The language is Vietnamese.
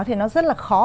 thì nó rất là khó